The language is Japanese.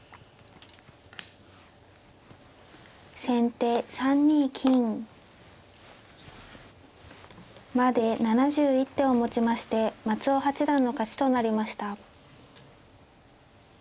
先手３二金。まで７１手をもちまして松尾八段の勝ちとなりました。